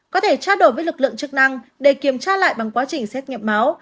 có thể trao đổi với lực lượng chức năng để kiểm tra lại bằng quá trình xét nghiệm máu